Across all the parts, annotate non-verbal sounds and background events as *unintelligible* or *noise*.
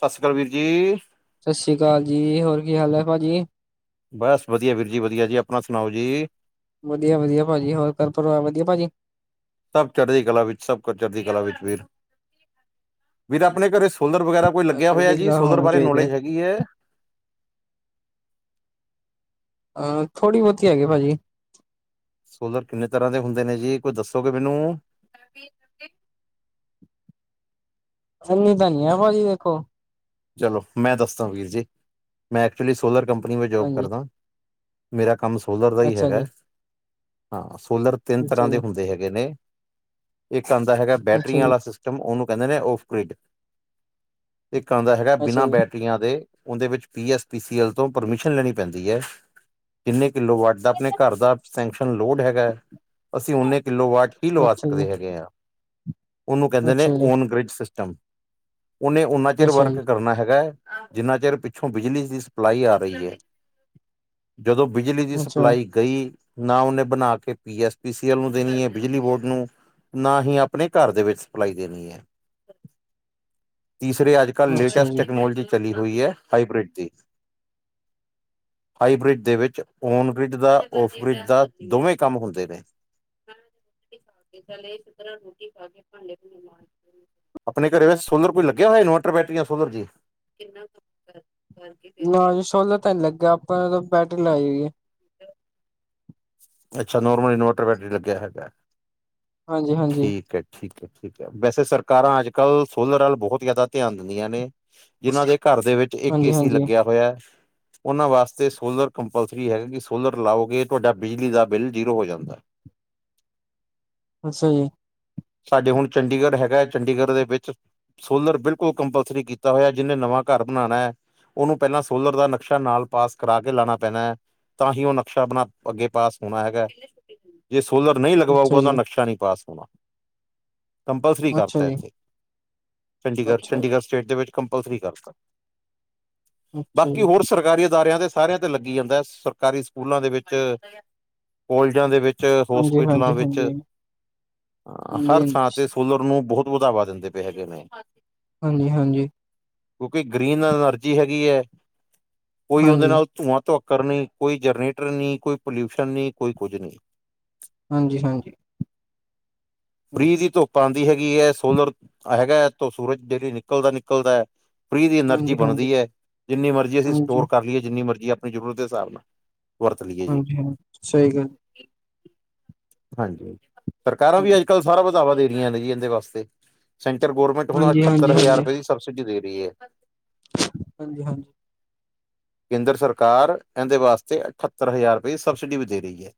ਸਾਸੀ ਕਾਲ ਵੀਰ ਜੀ। ਸ਼ਾਸ਼ੀ ਕਾਲ ਜੀ, ਹੋਰ ਕੀ ਹਾਲ ਐ ਭਾਜੀ। ਬਸ, ਵਧੀਆ ਵੀਰ ਜੀ ਵਧੀਆ ਜੀ ਆਪਣਾ ਸੁਣਾਓ ਜੀ। ਵਧੀਆ- ਵਧੀਆ ਭਾਜੀ ਹੋਰ ਘਰ ਪਰਿਵਾਰ ਵਧੀਆ ਭਾਜੀ। ਸਭ ਚੜ੍ਹਦੀ ਕਲਾ ਵਿੱਚ ਸਭ ਕੁ ਚੜ੍ਹਦੀ ਕਲਾ ਵਿੱਚ ਵੀਰ - ਵੀਰ ਆਪਣੇ ਘਰੇ ਸੋਲਰ ਵਗੈਰਾ ਕੋਈ ਲੱਗਿਆ ਹੋਇਆ ਚੜ੍ਹਦੀ ਜੀ, ਕਲਾ ਸੋਲਰ ਹੋਣੇ ਬਾਰੇ ਚਾਹੀਦੇ ਨੌਲੇਜ਼ ਹੈਗੀ ਐ ਅਹ ਥੋੜ੍ਹੀ ਬਹੁਤੀ ਹੈਗੀ ਭਾਜੀ। ਸੋਲਰ ਕਿੰਨੇ ਤਰ੍ਹਾਂ ਦੇ ਹੁੰਦੇ ਨੇ ਜੀ, ਕੋਈ ਦੱਸੋਗੇ ਮੈਨੂੰ? ਇਨੀ ਤਾਂ ਨਈ ਐ ਭਾਜੀ ਦੇਖੋ। ਚਲੋ, ਮੈਂ ਦੱਸਦਾ ਵੀਰ ਜੀ, ਮੈਂ ਐਕਚੁਲੀ ਸੋਲਰ ਕੰਪਨੀ ਵਿੱਚ ਜੋਬ ਹਾਂਜੀ ਕਰਦਾ। ਮੇਰਾ ਕੰਮ ਸੋਲਰ ਦਾ ਹੀ ਅੱਛਾ ਜੀ ਹੈਗਾ, ਹਾਂ ਸੋਲਰ ਤਿੰਨ ਅੱਛਾ ਤਰ੍ਹਾਂ ਦੇ ਜੀ ਹੁੰਦੇ ਹੈਗੇ ਨੇ, ਇੱਕ ਆਂਦਾ ਹੈਗਾ ਅੱਛਾ ਬੈਟਰੀਆਂ ਜੀ ਵਾਲਾ ਸਿਸ ਉਹਨੂੰ ਕਹਿੰਦੇ ਨੇ ਔਫ਼ਕਰਿੱਡ। ਆਂਦਾ ਹੈਗਾ ਅੱਛਾ ਬਿਨਾਂ ਜੀ ਬੈਟਰੀਆਂ ਦੇ, ਉਹਦੇ ਵਿੱਚ ਪੀ ਐਸ ਪੀਸੀ ਐਲ ਤੋਂ ਪਰਮਿਸ਼ਨ ਲੈਣੀ ਪੈਂਦੀ ਏ। ਕਿੰਨੇ ਕਿੱਲੋ ਵਾਟ ਆਪਣੇ ਘਰ ਦਾ ਸੈਕਸ਼ਨ ਲੋੜ ਹੈਗਾ ਅਸੀਂ ਉਨੇ ਕਿੱਲੋ ਵਾਟ ਹੀ ਲਵਾ ਅੱਛਾ ਜੀ ਸਕਦੇ ਹੈਗੇ ਆਂ, ਉਹਨੂੰ ਕਹਿੰਦੇ ਨੇ ਅੱਛਾ ਜੀ ਓਨਗ੍ਰਿਜ਼ ਸਿਸਟਮ। ਉਹਨੇ ਉਨ੍ਹਾਂ ਚਿਰ ਅੱਛਾ ਵਰਕ ਜੀ ਕਰਨਾ ਹੈਗਾ ਏ। ਜਿੰਨਾ ਚਿਰ ਪਿੱਛੋਂ ਬਿਜਲੀ ਦੀ ਸਪਲਾਈ ਆ ਰਹੀ ਏ। ਜਦੋਂ ਬਿਜਲੀ ਦੀ ਅੱਛਾ ਸਪਲਾਈ ਗਈ, ਨਾ ਉਹਨੇ ਬਣਾਕੇ ਪੀ ਐਸ ਪੀਸੀ ਐਲ ਨੂੰ ਦੇਣੀ ਏ ਬਿਜਲੀ ਬੋਰਡ ਨੂੰ। ਨਾ ਹੀ ਆਪਣੇ ਘਰਦੇ ਵਿੱਚ ਸਪਲਾਈ ਦੇਣੀ ਏ। *inaudible* ਤੀਸਰੇ ਅੱਜ-ਕੱਲ ਅੱਛਾ ਲੇਟੈਸਟ ਜੀ ਟੈਕਨੋਲੋਜੀ ਚੱਲੀ ਹੋਈ ਐ, ਹਾਈਬ੍ਰਿਡ ਦੀ। ਹਾਈਬ੍ਰਿਜ ਦੇ ਵਿੱਚ ਔਨਬ੍ਰਿਜ ਦਾ, ਔਫਬ੍ਰਿਜ ਦਾ ਦੋਵੇਂ ਕੰਮ ਹੁੰਦੇ ਨੇ। *unintelligible* ਪਹਿਲਾਂ ਰੋਟੀ ਖਾਕੇ ਭਾਂਡੇ-ਭੂਡੇਂ ਮਾਜਦੂ, ਆਪਣੇ ਘਰੇ ਵੈਸ ਸੋਲਰ ਕੋਈ ਲੱਗਿਆ ਹੋਇਆ? ਬੈਟਰੀਆਂ ਫੂਲ ਹੁੰਦੀ ਨਾ ਸੋਲਰ ਤਾ ਨੀ ਲੱਗ ਗਿਆ, ਆਪਾ ਨੇ ਤਾ ਬੈਟਰੀ ਲਾਈ ਏ। *inaudible* ਅੱਛਾ ਨੋਰਮਲ ਇਨਵਰਟਰ ਬੈਟਰੀ ਲੱਗਿਆ ਹੈਗਾ, ਹਾਂਜੀ ਹਾਂਜੀ ਠੀਕ ਐ। ਠੀਕ ਐ, ਠੀਕ ਐ, ਵੈਸੇ ਸਰਕਾਰਾਂ ਅੱਜ-ਕੱਲ ਸੋਲਰ ਵੱਲ ਬਹੁਤ ਜ਼ਿਆਦਾ ਧਿਆਨ ਦਿੰਦੀਆਂ ਨੇ। ਜਿਨ੍ਹਾਂ ਦੇ ਘਰ ਦੇ ਵਿੱਚ ਇੱਕ ਹਾਂਜੀ ਏਸੀ ਹਾਂਜੀ ਲੱਗਿਆ ਹੋਇਆ ਉਹਨਾਂ ਵਾਸਤੇ ਸੋਲਰ ਕੰਪਲਸਰੀ ਹੈਗਾ, ਕਿ ਸੋਲਰ ਲਾਓਗੇ ਤੁਹਾਡਾ ਬਿਜਲੀ ਦਾ ਬਿੱਲ ਜ਼ੀਰੋ ਹੋ ਜਾਂਦਾ। ਅੱਛਾ ਜੀ। ਸਾਡੇ ਹੁਣ ਚੰਡੀਗੜ੍ਹ ਹੈਗਾ, ਚੰਡੀਗੜ੍ਹ ਦੇ ਵਿੱਚ ਸੋਲਰ ਬਿਲਕੁਲ ਕੰਪਲਸਰੀ ਕੀਤਾ ਹੋਇਆ, ਜਿਹਨੇ ਨਵਾਂ ਘਰ ਬਣਾਣੈ ਉਹਨੂੰ ਪਹਿਲਾਂ ਸੋਲਰ ਦਾ ਨਕਸ਼ਾ ਨਾਲ ਪਾਸ ਕਰਾਕੇ ਲਾਣਾ ਪੈਣਾ, ਤਾਂ ਹੀ ਉਹ ਨਕਸ਼ਾ ਅਪਨਾ ਅੱਗੇ ਪਾਸ ਹੋਣਾ ਹੈਗਾ, ਜੇ ਸੋਲਰ ਨਹੀਂ ਲਗਵਾਉਗਾ ਅੱਛਾ ਉਹਦਾ ਜੀ ਨਕਸ਼ਾ ਨਹੀਂ ਪਾਸ ਕੰਪਲਸਰੀ ਅੱਛਾ ਕਰਤਾ ਜੀ ਇੱਥੇ, ਚੰਡੀਗੜ, ਅੱਛਾ ਜੀ ਚੰਡੀਗੜ ਸਟੇਟ ਦੇ ਵਿੱਚ ਕੰਪਲਸਰੀ ਕਰਤਾ, ਅੱਛਾ ਬਾਕੀ ਜੀ ਹੋਰ ਸਰਕਾਰੀ ਅਦਾਰਿਆਂ ਦੇ ਸਾਰਿਆਂ ਤੇ ਲੱਗੀ ਜਾਂਦਾ ਏ, ਸਰਕਾਰੀ ਸਕੂਲਾਂ ਦੇ ਵਿੱਚ, ਕੋਲਜਾਂ ਦੇ ਵਿੱਚ। ਚ, ਹਾਂਜੀ ਹੋਸਪੀਟਲਾਂ ਹਾਂਜੀ ਵਿੱਚ ਹਾਂਜੀ ਹਾਂਜੀ ਅ, ਹਾਂਜੀ ਹਰ ਥਾਂ ਤੇ ਹਾਂਜੀ ਸੋਲਰ ਨੂੰ ਬਹੁਤ ਵਧਾਵਾ ਦਿੰਦੇ। ਤੇ ਹੈਗੇ ਨੇ। ਹਾਂਜੀ-ਹਾਂਜੀ। ਕਿਉਂਕਿ ਗ੍ਰੀਨ ਅਨਰਜੀ ਹੈਗੀ ਐ, ਕੋਈ ਉਹਦੇ ਹਾਂਜੀ ਨਾਲ ਧੂੰਆਂ, ਧੁਕ ਕਰਨੀ, ਕੋਈ ਜਨਰੇਟਰ ਨਹੀਂ, ਕੋਈ ਪੋਲਿਊਸ਼ਨ ਨਹੀਂ, ਕੋਈ ਕੁੱਝ ਨਹੀਂ। ਹਾਂਜੀ-ਹਾਂਜੀ। ਫ੍ਰੀ ਦੀ ਧੁੱਪ ਆਂਦੀ ਹੈਗੀ ਏ, ਸੋਲਰ ਹੈਗਾ, ਇਥੋਂ ਸੂਰਜ ਡੇਲੀ ਨਿਕਲਦਾ, ਨਿਕਲਦੈ। ਫ੍ਰੀ ਦੀ ਅਨਰਜੀ ਹਾਂਜੀ ਹਾਂਜੀ ਬਣਦੀ ਐ, ਜਿੰਨੀ ਮਰਜ਼ੀ ਅਸੀਂ ਹਾਂਜੀ ਸਟੋਰ ਕਰਲੀਏ, ਜਿੰਨੀ ਮਰਜ਼ੀ ਆਪਣੀ ਜ਼ਰੂਰਤ ਦੇ ਹਿਸਾਬ ਨਾਲ। ਏ ਜੀ, ਹਾਂਜੀ ਹਾਂਜੀ ਸਹੀ ਗੱਲ ਹਾਂਜੀ-ਹਾਂਜੀ, ਹਾਂ ਸਰਕਾਰਾਂ ਵੀ ਅੱਜ-ਕੱਲ ਸਾਰਾ ਵਧਾਵਾ ਦੇ ਰਹੀ ਆ ਨੇ ਜੀ ਇਹਦੇ ਵਾਸਤੇ, ਸੈਂਟਰ ਗੌਰਮੈਂਟ ਹੁਣ ਹਾਂਜੀ ਅਠੱਤਰ ਹਾਂਜੀ ਹਜ਼ਾਰ ਹਾਂਜੀ ਰੁਪਏ ਸਬਸੀਡੀ ਦੇ ਰਹੀ ਏ। ਹਾਂਜੀ-ਹਾਂਜੀ। ਕੇਂਦਰ ਸਰਕਾਰ, ਇਂਹਦੇ ਵਾਸਤੇ ਇਕਠੱਤਰ ਹਜ਼ਾਰ ਰੁਪਏ ਦੀ ਸਬਸਿਡੀ ਵੀ ਦੇ ਰਹੀ ਹੈ।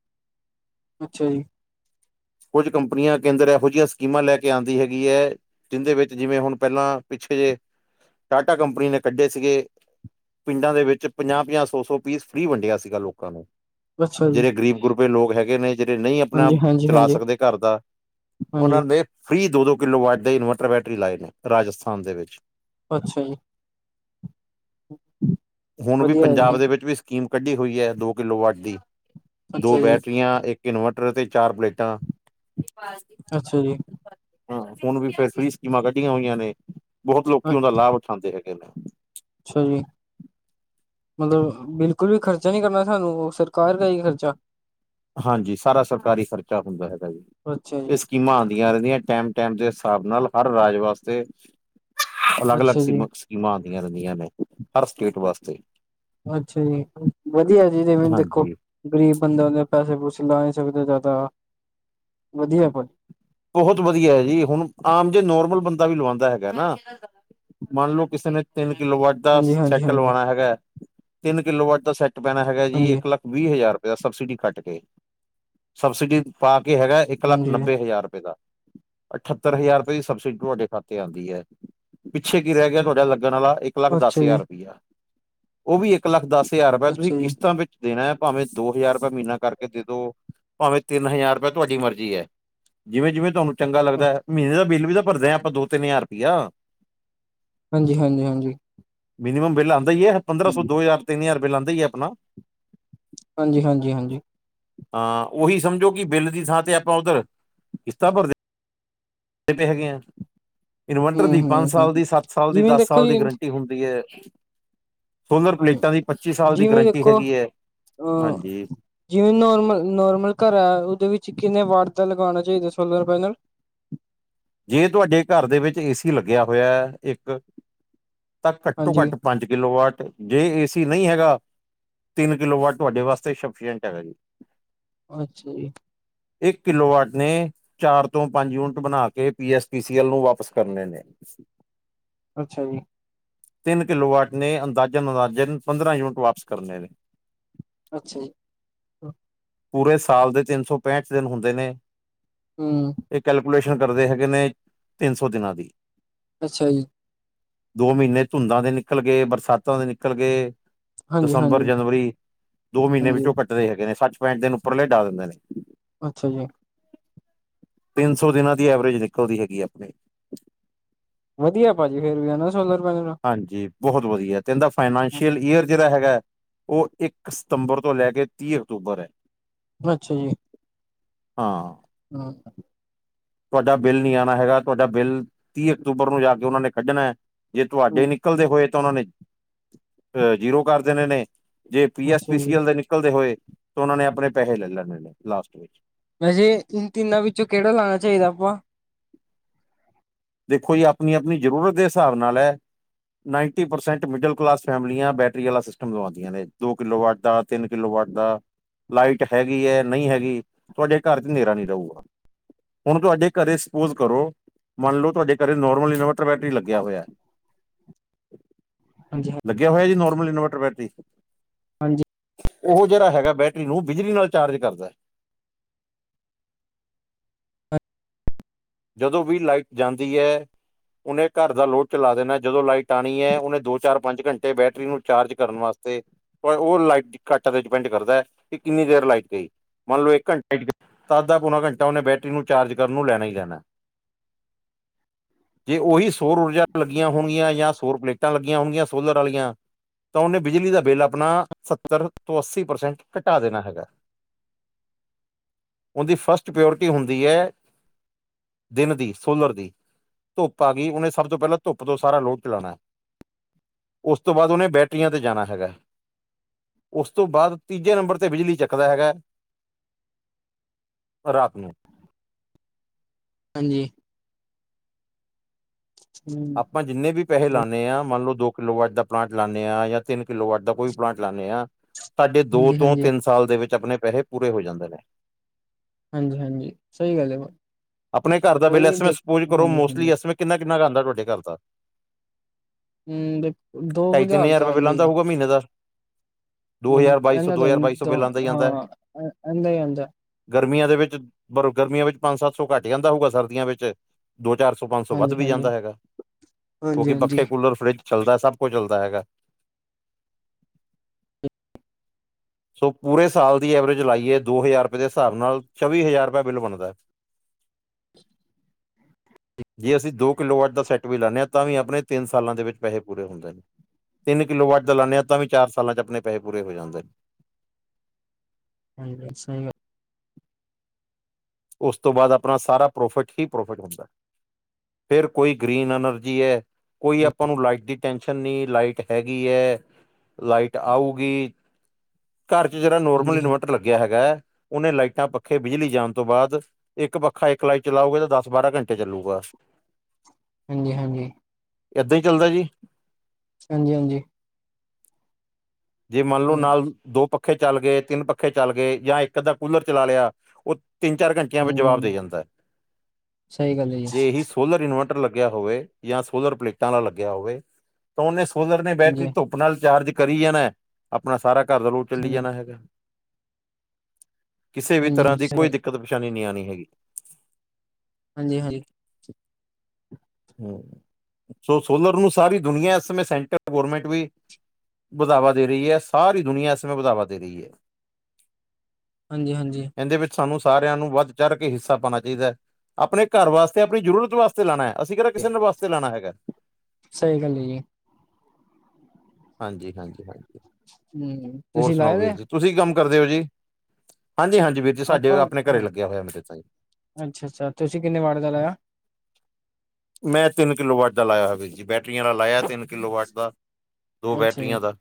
ਅੱਛਾ ਜੀ। ਕੁੱਝ ਕੰਪਨੀਆਂ ਕੇਂਦਰ ਇਹੋ ਜਿਹੀਆ ਸਕੀਮਾਂ ਲੈ ਕੇ ਆਉਂਦੀ ਹੈਗੀ ਹੈ। ਜਿੰਹਦੇ ਵਿੱਚ ਜਿਵੇਂ ਹੁਣ ਪਹਿਲਾਂ ਪਿੱਛੇ ਜੇ ਟਾਟਾ ਕੰਪਨੀ ਨੇ ਕੱਢੇ ਸੀਗੇ। ਪਿੰਡਾਂ ਦੇ ਵਿੱਚ ਪੰਜਾਹ-ਪੰਜਾਹ, ਸੌ-ਸੌ ਪੀਸ ਫ੍ਰਰੀ ਵੰਡਿਆ ਸੀਗਾ ਲੋਕ ਲੋਕਾਂ ਨੂੰ, ਅੱਛਾ ਜੀ ਜਿਹੜੇ ਗਰੀਬ ਗਰੁੱਬੇ ਲੋਕ ਹੈਗੇ ਨੇ। ਜਿਹੜੇ ਨਈ ਆਪਣਾ ਹਾਂਜੀ ਹਾਂਜੀ ਚਲਾ ਹਾਂਜੀ ਸਕਦੇ ਘਰ ਦਾ, ਹਾਂਜੀ ਉਹਨਾਂ ਦੇ ਫ੍ਰਰੀ ਦੋ-ਦੋ ਕਿਲੋ ਵਟ ਦੇ ਇਨਵਰਟਰ ਬੈਟਰੀ ਲਾਏ ਨੇ, ਰਾਜਸਥਾਨ ਦੇ ਵਿੱਚ। ਅੱਛਾ ਜੀ। ਹੁਣ ਵੀ ਵਧੀਆ ਹੈ ਜੀ ਪੰਜਾਬ ਦੇ ਵਿੱਚ ਵੀ ਸਕੀਮ ਕੱਢੀ ਹੋਈ ਹੈ ਦੋ ਕਿੱਲੋ ਵਾਟ ਦੀ। ਦੋ ਅੱਛਾ ਜੀ ਬੈਟਰੀਆਂ, ਇੱਕ ਇਨਵਰਟਰ ਤੇ ਚਾਰ ਪਲੇਟਾਂ, ਅੱਛਾ ਜੀ। ਹਾਂ ਹੁਣ ਵੀ ਫੇਰ ਫਰੀ ਸਕੀਮਾਂ ਕੱਢੀਆਂ ਹੋਈਆ ਨੇ, ਬਹੁਤ ਲੋਕੀ ਉਹਦਾ ਲਾਭ, ਠਾਂਂਦੇ ਹੈਗੇ ਨੇ। ਅੱਛਾ ਜੀ। ਮਤਲਬ ਬਿਲਕੁਲ ਵੀ ਖਰਚਾ ਨੀ ਕਰਨਾ ਸਾਨੂੰ ਉਹ ਸਰਕਾਰ ਦਾ ਹੀ ਖਰਚਾ। ਹਾਂਜੀ ਸਾਰਾ ਸਰਕਾਰੀ ਖ਼ਰਚਾ ਹੁੰਦਾ ਹੈਗਾ ਜੀ। ਅੱਛਾ ਇਹ ਜੀ। ਸਕੀਮਾਂ ਆਉਂਦੀਆ ਰਹਿੰਦੀਆ ਟਾਈਮ-ਟਾਈਮ ਦੇ ਹਿਸਾਬ ਨਾਲ ਹਰ ਰਾਜ ਵਾਸਤੇ ਅਲੱਗ-ਅਲੱਗ ਅੱਛਾ ਸੀ ਜੀ ਸਕੀਮਾਂ ਆਉਂਦੀਆ ਰਹਿੰਦੀਆ ਨੇ ਹਰ ਸਟੇਜ ਵਾਸਤੇ, ਅੱਛਾ ਜੀ, ਵਧੀਆ ਜੀ ਜਿਵੇਂ ਹੁਣ ਦੇਖੋ, ਹਾਂਜੀ ਗ਼ਰੀਬ ਬੰਦਿਆ ਦੇ ਪੈਸੇ ਪੂਸੇ ਨਾ ਹੀ ਚਕਦੇ ਜ਼ਿਆਦਾ, ਵਧੀਆ ਬਾਈ। ਬਹੁਤ ਵਧੀਆ ਜੀ ਹੁਣ ਆਮ ਜੇ ਨੋਰਮਲ ਬੰਦਾ ਵੀ ਲਵਾਉਂਦਾ ਹੈਗਾ ਨਾ। ਮਨ ਲੋੋ ਕਿਸੇ ਨੇ ਤਿੰਨ ਕਿਲੋ ਵਾਟ ਦਾ ਹਾਂਜੀ ਹਾਂਜੀ ਸੈੱਟ ਹਾਂਜੀ ਲਵਾਣਾ ਹੈਗਾ, ਤਿੰਨ ਕਿਲੋ ਵਾਟ ਦਾ ਸੈੱਟ ਪੈਣਾ ਹੈਗਾ ਜੀ ਹਾਂਜੀ ਇੱਕ ਲੱਖ ਵੀਹ ਹਜ਼ਾਰ ਰੁਪਇਆ ਸਬਸਿਡੀ ਕੱਟ ਕੇ, ਸਬਸਿਡੀ ਪਾ ਕੇ ਹੈਗਾ ਇੱਕ ਲੱਖ ਹਾਂਜੀ ਨੱਬੇ ਹਜ਼ਾਰ। ਰੁਪਏ ਦਾ, ਅਠੱਤਰ ਹਜ਼ਾਰ ਰੁਪਏ ਦੀ ਸਬਸਿਡੀ ਤੁਹਾਡੇ ਖਾਤੇ ਆਂਦੀ ਹੈ। ਪਿੱਛੇ ਕੀ ਰਹਿ ਗਿਆ ਤੁਹਾਡਾ ਲੱਗਣ ਆਲਾ ਇੱਕ ਲੱਖ ਦਸ ਅੱਛਾ ਹਜ਼ਾਰ ਜੀ ਰੁਪਇਆ। ਉਹ ਵੀ ਇੱਕ ਲੱਖ ਦਸ ਹਜ਼ਾਰ ਰੁਪਇਆ ਤੁਸੀਂ ਅੱਛਾ ਜੀ ਕਿਸ਼ਤਾਂ ਵਿੱਚ ਦੇਣਾ ਹੈ ਭਾਵੇਂ ਦੋ ਹਜ਼ਾਰ ਰੁਪਇਆ ਮਹੀਨਾ ਕਰਕੇ ਦੇ ਦੋ ਭਾਵੇਂ ਤਿੰਨ ਹਜ਼ਾਰ ਰੁਪਇਆ ਤੁਹਾਡੀ ਮਰਜ਼ੀ ਐ। ਜਿਵੇਂ-ਜਿਵੇਂ ਤੁਹਾਨੂੰ ਚੰਗਾ ਲੱਗਦਾ ਮਹੀਨੇ ਦਾ ਬਿੱਲ ਵੀ ਤਾਂ ਭਰਦੇ ਹਾਂ ਦੋ ਤਿੰਨ ਹਜ਼ਾਰ ਰੁਪਇਆ। ਹਾਂਜੀ- ਹਾਂਜੀ- ਹਾਂਜੀ। ਮਿਨੀਮਮ ਬਿੱਲ ਆਂਦਾ ਹੀ ਐ ਪੰਦਰਾਂ ਸੌ, ਹੂੰ, ਦੋ ਹਜ਼ਾਰ ਤਿੰਨ ਹਜ਼ਾਰ ਬਿੱਲ ਆਂਦਾ ਹੀ ਐ ਆਪਣਾ। ਹਾਂਜੀ- ਹਾਂਜੀ- ਹਾਂਜੀ। ਹਾਂ ਉਹੀ ਸਮਝੋ ਕਿ ਬਿੱਲ ਦੀ ਥਾਂ ਤੇ ਆਪਾਂ ਉੱਧਰ ਕਿਸ਼ਤਾ ਭਰਦੇ, *unintelligible* ਹੈਗੇ ਆ। ਇਨਵਰਟਰ ਹੂੰ, ਦੀ ਪੰਜ ਹੂੰ, ਹੂੰ ਸਾਲ ਹੂੰ। ਦੀ ਸੱਤ ਸਾਲ ਦੀ ਜਿਵੇਂ ਦਸ ਦੇਖੋ ਸਾਲ ਜੀ ਦੀ ਗਰੰਟੀ ਹੁੰਦੀ ਹੈ। ਸੋਲਰ ਹਾਂ ਪਲੇਟਾਂ ਦੀ ਪੱਚੀ ਸਾਲ ਦੀ ਜਿਵੇਂ ਗਰੰਟੀ ਦੇਖੋ ਹੈਗੀ ਹੈ, ਅ ਹਾਂਜੀ। ਜਿਵੇਂ ਨੋਰਮਲ, ਨੋਰਮਲ ਘਰ ਹੈ, ਉਹਦੇ ਵਿੱਚ ਕਿੰਨੇ ਵਾਟ ਦਾ ਲਗਾਉਣਾ ਚਾਹੀਦਾ ਸੋਲਰ ਪੈਨਲ, ਜੇ ਤੁਹਾਡੇ ਘਰ ਦੇ ਵਿੱਚ ਏ ਸੀ ਲੱਗਿਆ ਹੋਇਆ ਹੈ ਇੱਕ ਤਾਂ ਘੱਟੋ ਹਾਂਜੀ ਘੱਟ ਪੰਜ ਕਿਲੋਵਾਟ, ਜੇ ਏਸੀ ਨਹੀਂ ਹੈਗਾ ਤਿੰਨ ਕਿਲੋ ਵਾਟ ਤੁਹਾਡੇ ਵਾਸਤੇ ਸਫੀਸ਼ਟ ਹੈਗਾ ਜੀ। ਅੱਛਾ ਜੀ। ਇੱਕ ਕਿਲੋ ਵਾਟ ਨੇ ਚਾਰ ਤੋਂ ਪੰਜ ਯੂਨਿਟ ਬਣਾ ਕੇ ਪੀ ਐਸ ਪੀ ਸੀ ਐਲ ਨੂੰ ਵਾਪਿਸ ਕਰਨੇ ਨੇ। ਅੱਛਾ ਜੀ। ਤਿੰਨ ਕਿਲੋਵਾਟ ਨੇ, ਅੰਦਾਜਨ- ਅੰਦਾਜਨ ਪੰਦਰਾਂ ਯੂਨਿਟ ਵਾਪਸ ਕਰਨੇ ਨੇ। ਅੱਛਾ ਜੀ। ਪੂਰੇ ਸਾਲ ਦੇ ਤਿੰਨ- ਸੌ- ਪੈਂਹਠ ਦਿਨ ਹੁੰਦੇ ਨੇ। ਹਮ। ਇਹ ਕੈਲਕੂਲੇਸ਼ਨ ਕਰਦੇ ਹੈਗੇ ਨੇ, ਤਿੰਨ ਸੌ ਦਿਨਾਂ ਦੀ। ਅੱਛਾ ਜੀ। ਦੋ ਮਹੀਨੇ ਧੁੰਦਾਂ ਦੇ ਨਿਕਲ ਗਏ, ਬਰਸਾਤਾਂ ਦੇ ਨਿਕਲ ਗਏ। ਹਾਂਜੀ, ਦਸੰਬਰ- ਹਾਂਜੀ, ਜਨਵਰੀ ਦੋ ਮਹੀਨੇ ਹਾਂਜੀ ਵਿੱਚੋਂ ਕੱਟਦੇ ਹੈਗੇ ਨੇ, ਸੱਠ- ਪੈਂਠ ਦਿਨ ਉੱਪਰਲੇ ਡਾ ਦਿੰਦੇ ਨੇ। ਅੱਛਾ ਜੀ। ਤਿੰਨ ਸੌ ਦਿਨਾਂ ਦੀ ਐਵਰੇਜ ਨਿਕਲਦੀ ਹੈਗੀ ਆਪਣੇ। ਵਧੀਆ ਭੱਜ ਗਏ ਲਿਜਾਨਾ ਸੋਲਰ ਪੈਨਲ। ਹਾਂਜੀ, ਬਹੁਤ ਵਧੀਆ, ਤੇ ਏਦਾਂ ਫਾਈਨਸ਼ੀਅਲ ਹੂੰ ਇਯਰ ਜਿਹੜਾ ਹੈਗਾ, ਉਹ ਇੱਕ ਸਤੰਬਰ ਤੋਂ ਲੈ ਕੇ ਤੀਹ ਅਕਤੂਬਰ ਹੈ। ਅੱਛਾ ਜੀ। ਹਾਂ। ਹਮ। ਤੁਹਾਡਾ ਬਿੱਲ ਨਹੀਂ ਆਉਣਾ ਹੈਗਾ, ਤੁਹਾਡਾ ਬਿੱਲ ਤੀਹ ਅਕਤੂਬਰ ਨੂੰ ਜਾ ਕੇ ਉਹਨਾਂ ਨੇ ਕੱਢਣਾ ਹੈ। ਜੇ ਹੂੰ ਤੁਹਾਡੇ ਨਿਕਲਦੇ ਹੋਏ ਤਾਂ ਉਹਨਾਂ ਨੇ ਅਹ ਜੀਰੋ ਕਰ ਦੇਣੇ ਨੇ। ਜੇ ਪੀ ਐਸ ਅੱਛਾ ਪੀ ਜੀ ਐਲ ਦੇ ਨਿਕਲਦੇ ਹੋਏ ਤਾਂ ਉਹਨਾਂ ਨੇ ਆਪਣੇ ਪੈਸੇ ਲੈ ਲੈਣੇ ਨੇ ਲਾਸਟ ਵਿੱਚ। ਵੈਸੇ ਤਿੰਨਾਂ ਵਿੱਚੋਂ ਕਿਹੜਾ ਲਾਣਾ ਚਾਹੀਦਾ ਆਪਾਂ? ਦੇਖੋ ਜੀ ਆਪਣੀ- ਆਪਣੀ ਜ਼ਰੂਰਤ ਦੇ ਹਿਸਾਬ ਨਾਲ ਹੈ। ਨਾਈਨਟੀ ਪਰਸੈਂਟ ਮਿਡਲ ਕਲਾਸ ਫੈਮਲੀਆਂ ਬੈਟਰੀ ਵਾਲਾ ਸਿਸਟਮ ਲਵਾਉਂਦੀਆਂ ਨੇ ਦੋ ਕਿਲੋ ਵਾਟ ਦਾ। ਤਿੰਨ ਕਿੱਲੋ ਵਾਟ ਦਾ, ਲਾਈਟ ਹੈਗੀ ਹੈ ਨਹੀਂ ਹੈਗੀ, ਤੁਹਾਡੇ ਘਰ ਤੇ ਹਨੇਰਾ ਨੀ ਰਹੂਗਾ। ਹੁਣ ਤੁਹਾਡੇ ਘਰੇ ਸਪੋਜ ਕਰੋ ਮੰਨ ਲਓ, ਤੁਹਾਡੇ ਘਰੇ ਨੋਰਮਲ ਇਨਵਟਰ ਬੈਟਰੀ ਲੱਗਿਆ ਹੋਇਆ ਹੈ ਹਾਂਜੀ ਹਾਂ। ਲੱਗਿਆ ਹੋਇਆ ਜੀ ਨੋਰਮਲ ਇਨਵਰਟਰ ਬੈਟਰੀ ਹਾਂਜੀ। ਉਹ ਜਿਹੜਾ ਹੈਗਾ ਬੈਟਰੀ ਨੂੰ ਬਿਜਲੀ ਨਾਲ ਚਾਰਜ ਕਰਦਾ। ਜਦੋਂ ਵੀ ਲਾਈਟ ਜਾਂਦੀ ਐ ਉਹਨੇ ਘਰ ਦਾ ਲੋਡ ਚਲਾ ਦੇਣਾ, ਜਦੋਂ ਲਾਈਟ ਆਉਣੀ ਹੈ, ਉਹਨੇ ਦੋ-ਚਾਰ-ਪੰਜ ਘੰਟੇ ਬੈਟਰੀ ਨੂੰ ਚਾਰਜ ਕਰਨ ਵਾਸਤੇ ਪਰ ਉਹ ਲਾਈਟ ਕੱਟ ਤੇ ਡਿਪੈਂਡ ਕਰਦਾ ਹੈ ਕਿ ਕਿੰਨੀ ਦੇਰ ਲਾਈਟ ਗਈ। ਮੰਨ ਲਓ ਇੱਕ ਘੰਟਾ, ਅੱਧਾ ਪੌਣਾ ਘੰਟਾ, ਉਹਨੇ ਬੈਟਰੀ ਨੂੰ ਚਾਰਜ ਕਰਨ ਨੂੰ ਲੈਣਾ ਹੀ ਲੈਣਾ। ਜੇ ਉਹੀ ਸੋਰ ਊਰਜਾ ਲੱਗੀਆਂ ਹੋਣਗੀਆਂ, ਜਾਂ ਸੋਰ ਪਲੇਟਾਂ ਲੱਗੀਆਂ ਹੋਣਗੀਆਂ, ਸੋਲਰ ਵਾਲੀਆਂ ਤਾਂ ਉਹਨੇ ਬਿਜਲੀ ਦਾ ਬਿੱਲ ਆਪਣਾ ਸੱਤਰ ਤੋਂ ਅੱਸੀ ਪ੍ਰਸੈਂਟ ਘਟਾ ਦੇਣਾ ਹੈਗਾ। *inaudible* ਉਹਦੀ ਫਸਟ ਪਿਓਰਿਟੀ ਹੁੰਦੀ ਹੈ ਦਿਨ ਦੀ, ਸੋਲਰ ਦੀ, ਧੁੱਪ ਆ ਗਈ, ਉਹਨੇ ਸਭ ਤੋਂ ਪਹਿਲਾਂ ਧੁੱਪ ਤੋਂ ਸਾਰਾ ਲੋਡ ਚਲਾਉਣਾ। ਉਸ ਤੋਂ ਬਾਅਦ ਉਹਨੇ ਬੈਟਰੀਆਂ ਤੇ ਜਾਣਾ ਹੈਗਾ। ਉਸ ਤੋਂ ਬਾਅਦ ਤੀਜੇ ਨੰਬਰ ਤੇ ਬਿਜਲੀ ਚੱਕਦਾ ਹੈਗਾ ਰਾਤ ਨੂੰ। ਹਾਂਜੀ। ਹੂੰ, ਆਪਾਂ ਜਿੰਨੇ ਵੀ ਪੈਸੇ ਲਾਂਨੇ ਆਂ, ਮੰਨ ਲਓ ਦੋ ਕਿੱਲੋ ਵਾਟ ਦਾ ਪਲਾਂਟ ਲਾਂਨੇ ਆਂ, ਜਾਂ ਤਿੰਨ ਕਿੱਲੋ ਵਾਟ ਦਾ ਕੋਈ ਪਲਾਂਟ ਲਾਂਨੇ ਆ ਤੁਹਾਡੇ ਦੋ ਹਾਂਜੀ, ਤੋ ਹਾਂਜੀ ਤਿੰਨ ਸਾਲ ਦੇ ਵਿੱਚ ਆਪਣੇ ਪੈਸੇ ਪੂਰੇ ਹੋ ਜਾਂਦੇ ਨੇ ਹਾਂਜੀ-ਹਾਂਜੀ, ਸਹੀ ਗੱਲ ਹੈ ਬ ਆਪਣੇ ਘਰ ਦਾ ਬਿਲ ਇਸ ਸਪੋਜ ਕਰੋ ਹਾਂਜੀ-ਹਾਂਜੀ। ਮੋਸਟਲੀ ਐਸਰਾ ਕਿੰਨਾ- ਕਿੰਨਾ ਕੁ ਆਉਂਦਾ ਤੁਹਾਡੇ ਘਰ ਦਾ ਹੂੰ ਦੇਖੋ ਦੋ ਢਾਈ ਤਿੰਨ ਬੁਝਾਰ ਹਜ਼ਾਰ ਤਾਂ ਬਿੱਲ ਆਂਦਾ ਹੀ ਆਉਂਦਾ ਆ ਹੋਊਗਾ ਮਹੀਨੇ ਦਾ ਦੋ ਨਹੀਂ, ਹਜ਼ਾਰ ਬਾਈ ਸੌ ਏਨਾ ਦੋ ਤਾਂ ਹਜ਼ਾਰ ਨੀਂ ਬਾਈ ਸੌ ਆਂਦਾ ਬਿੱਲ ਆਉਂਦਾ ਹੀ ਆਉਂਦਾ ਹਾਂ ਇਨਾ ਆਉਂਦਾ ਗਰਮੀਆਂ ਦੇ ਵਿੱਚ ਗਰਮੀਆਂ ਵਿੱਚ ਪੰਜ ਸੱਤ ਸੌ ਘੱਟ ਆਦਾ ਹੋਊਗਾ ਸਰਦੀਆਂ ਵਿੱਚ, ਦੋ ਚਾਰ ਪੰਜ ਸੌ ਵੱਧ ਵੀ ਜਾਂਦਾ ਹਾਂਜੀ-ਹਾਂਜੀ, ਹੈਗਾ, ਕਿਉਂਕਿ ਪੱਖੇ, ਹਾਂਜੀ-ਹਾਂਜੀ, ਕੂਲਰ, ਫਰਿੱਜ ਚੱਲਦਾ ਸਭ ਕੁਝ ਚੱਲਦਾ ਹੈਗਾ ਪੂਰੇ ਸਾਲ ਦੀ ਐਵਰੇਜ ਲਾਈਏ ਦੋ ਹਜ਼ਾਰ ਰੁਪਏ ਦੇ ਹਿਸਾਬ ਨਾਲ ਚੌਵੀ ਹਜ਼ਾਰ ਰੁਪਏ ਬਿੱਲ ਬਣਦਾ *inaudible* ਜੇ ਅਸੀਂ ਦੋ ਕਿੱਲੋ ਵਾਟ ਦਾ ਸੈਟ ਵੀ ਲਾਂਨੇ ਤਾਂ ਵੀ ਆਪਣੇ ਤਿੰਨ ਸਾਲਾਂ ਦੇ ਵਿੱਚ ਪੈਸੇ ਪੂਰੇ ਹੁੰਦੇ ਨੇ ਤਿੰਨ ਕਿੱਲੋ ਵਾਟ ਲਾਂਦੇ ਹਾਂ ਤਾਂ ਵੀ ਚਾਰ ਸਾਲਾਂ ਚ ਆਪਣੇ ਪੈਸੇ ਪੂਰੇ ਹੋ ਜਾਂਦੇ ਨੇ ਹਾਂਜੀ ਸਹੀ ਗੱਲ ਉਸ ਤੋਂ ਬਾਅਦ ਆਪਣਾ ਸਾਰਾ ਪ੍ਰੋਫਿਟ ਹੀ ਪ੍ਰੋਫਿਟ ਹੁੰਦਾ ਫਿਰ ਕੋਈ ਗ੍ਰੀਨ ਐਨਰਜੀ ਏ ਕੋਈ ਆਪਾਂ ਨੂੰ ਲਾਈਟ ਦੀ ਟੈਨਸ਼ਨ ਨਹੀਂ ਲਾਈਟ ਹੈਗੀ ਹੈ ਲਾਈਟ ਆਉਗੀ ਘਰ ਚ ਜਿਹੜਾ ਨੋਰਮਲ ਹਾਂਜੀ ਹਾਂ ਇੰਨਵੈਰਟਰ ਲੱਗਿਆ ਹੈਗਾ, ਉਹਨੇ ਲਾਈਟਾਂ ਪੱਖੇ ਬਿਜਲੀ ਜਾਣ ਤੋਂ ਬਾਅਦ, ਇੱਕ ਪੱਖਾ ਇੱਕ ਲਾਈਟ ਚਲਾਉਗੇ ਤਾਂ ਦਸ ਬਾਰਾਂ ਘੰਟੇ ਚੱਲੂਗਾ ਹਾਂਜੀ-ਹਾਂਜੀ ਏਦਾਂ ਹੀ ਚੱਲਦਾ ਜੀ ਹਾਂਜੀ- ਹਾਂਜੀ ਜੇ ਮਨ ਲਓ, ਹੂੰ ਨਾਲ ਦੋ ਪੱਖੇ ਚਲ ਗਏ‌ ਤਿੰਨ ਪੱਖੇ ਚਲ ਗਏ, ਇੱਕ ਅੱਧਾ ਕੂਲਰ ਚਲਾ ਲਿਆ ਉਹ ਤਿੰਨ ਚਾਰ ਘੰਟਿਆਂ ਵਿੱਚ ਜਵਾਬ ਦੇ ਹਾਂਜੀ-ਹਾਂਜੀ, ਜਾਂਦਾ ਸਹੀ ਗੱਲ ਹੈ ਜੀ ਜੇ ਇਹੀ ਸੋਲਰ ਇੰਨਵੈਰਟਰ ਲੱਗਿਆ ਹੋਵੇ ਜਾਂ ਸੋਲਰ ਪਲੇਟਾ ਆਲਾ ਲੱਗਿਆ ਹੋਵੇ ਤਾਂ ਉਹਨੇ ਸੋਲਰ ਨੇ ਬੈਟਰੀ ਧੁਪ ਧੁੱਪ ਨਾਲ ਚਾਰਜ ਕਰੀ ਜਾਣਾ, ਆਪਣਾ ਸਾਰਾ ਘਰ ਦਾ ਲੋਡ ਚੱਲੀ ਜਾਣਾ ਹੈਗਾ ਕਿਸੇ ਹਾਂਜੀ-ਹਾਂਜੀ, ਵੀ ਤਰ੍ਹਾਂ ਹਾਂਜੀ-ਹਾਂਜੀ ਦੀ ਸਹੀ ਕੋਈ ਗੱਲ ਦਿੱਕਤ ਪ੍ਰੇਸਾਨੀ ਨਹੀਂ ਆਉਣੀ ਹੈਗੀ ਹਾਂਜੀ-ਹਾਂਜੀ ਹੂੰ, ਸੋ ਸੋਲਰ ਨੂੰ ਸਾਰੀ ਦੁਨੀਆ ਇਸ ਸਮੇਂ ਸੈਂਟਰ ਗੌਰਮੈਂਟ ਵੀ ਵਧਾਵਾ ਦੇ ਰਹੀ ਏ ਸਾਰੀ ਦੁਨੀਆਂ ਇਸ ਸਮੇ ਵਧਾਵਾ ਦੇ ਰਹੀ ਹੈ ਹਾਂਜੀ- ਹਾਂਜੀ ਇਹਦੇ ਵਿੱਚ ਸਾਨੂੰ ਸਾਰਿਆਂ ਨੂੰ ਵੱਧ ਚੜ੍ਹ ਕੇ ਹਿੱਸਾ ਪਾਉਣਾ ਚਾਹੀਦਾ ਆ, ਆਪਣੇ ਘਰ ਵਾਸਤੇ ਆਪਣੀ ਜ਼ਰੂਰਤ ਵਸਤੇ ਲਾਉਣਾ ਹੈ ਅਸੀਂ ਕਿਹੜਾ ਕਿਸੇ ਦੇ ਵਾਸਤੇ ਲਾਣਾ ਹੈਗਾ ਸਹੀ ਗੱਲ ਏ ਜੀ ਹਾਂਜੀ- ਹਾਂਜੀ- ਹਾਂਜੀ, ਹੂੰ ਹੋਰ ਤੁਸੀਂ ਸੁਣਾਓ ਲਾਏ ਦੇ ਵੀਰ ਜੀ ਤੁਸੀਂ ਕੀ ਕੰਮ ਕਰਦੇ ਹੋ ਜੀ, ਹਾਂਜੀ- ਹਾਂਜੀ ਵੀਰ ਜੀ ਸਾਡੇ ਆਪਾਂ, ਆਪਣੇ ਘਰੇ ਲੱਗਿਆ ਹੋਇਆ ਮੇਰੇ ਤਾਂ ਜੀ ਅੱਛਾ- ਅੱਛਾ ਤੁਸੀਂ ਕਿੰਨੇ ਵਾਰਡ ਦਾ ਲਾਇਆ ਮੈਂ ਤਿੰਨ ਕਿੱਲੋ ਵਾਟ ਦਾ ਲਾਇਆ ਹੋਵੇ ਜੀ ਬੈਟਰੀਆਂ ਵਾਲਾ ਲਾਇਆ ਤਿੰਨ ਕਿੱਲੋ ਵਾਟ ਦਾ ਦੋ ਅੱਛਾ ਜੀ। ਬੈਟਰੀਆਂ ਦਾ,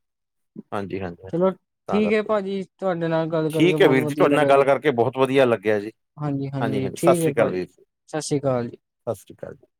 ਹਾਂਜੀ- ਹਾਂਜੀ ਚਲੋ ਹਾਂਜੀ ਤਾਂ ਠੀਕ ਹੈ ਕਰਕੇ ਭਾਜੀ ਤੁਹਾਡੇ ਨਾਲ ਗੱਲ ਕਰਕੇ ਠੀਕ ਹੈ ਬਹੁਤ ਵੀਰ ਜੀ ਵਧੀਆ ਤੁਹਾਡੇ ਨਾਲ ਲੱਗਾ ਗੱਲ ਜੀ ਕਰਕੇ ਬਹੁਤ ਵਧੀਆ ਲੱਗਿਆ ਜੀ ਹਾਂਜੀ- ਹਾਂਜੀ ਸਤਿ ਠੀਕ ਹੈ ਸ਼੍ਰੀ ਅਕਾਲ ਭਾਜੀ, ਵੀਰ ਜੀ ਸਤਿ ਸ੍ਰੀ ਅਕਾਲ ਜੀ ਸਤਿ ਸ਼੍ਰੀ ਅਕਾਲ ਜੀ